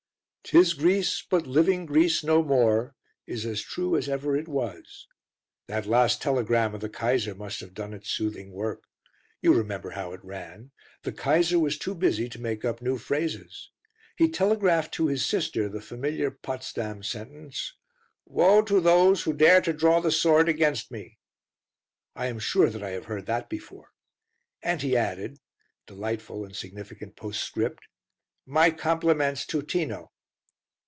"'Tis Greece, but living Greece no more" is as true as ever it was. That last telegram of the Kaiser must have done its soothing work. You remember how it ran: the Kaiser was too busy to make up new phrases. He telegraphed to his sister the familiar Potsdam sentence: "Woe to those who dare to draw the sword against me." I am sure that I have heard that before. And he added delightful and significant postscript! "My compliments to Tino."